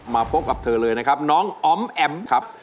มาพบกับเธอเลยนะครับน้องออมแอมครับ